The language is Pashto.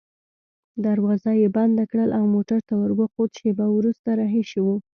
دروازه يې بنده کړل او موټر ته وروخوت، شېبه وروسته رهي شوو.